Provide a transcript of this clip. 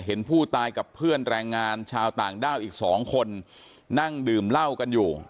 เห็นผู้ตายกับเพื่อนแรงงานชาวต่างด้าวอีกสองคนนั่งดื่มเหล้ากันอยู่